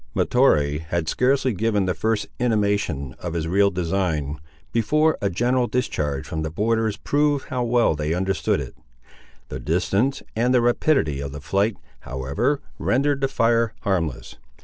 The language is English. Mahtoree had scarcely given the first intimation of his real design, before a general discharge from the borderers proved how well they understood it. The distance, and the rapidity of the flight, however, rendered the fire harmless.